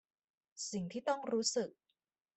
สิ่งที่ต้องรู้สึก